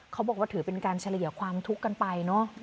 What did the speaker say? เขาบอกว่าถือเป็นการเฉลี่ยความทุกข์กันไปเนอะ